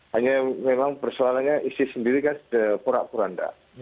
hanya memang persoalannya isis sendiri kan sudah pura pura enggak